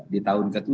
di tahun ke tujuh